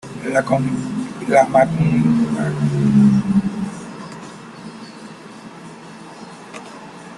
La Mancomunidad de Sanabria-Carballeda presta el servicio de recogida de basura.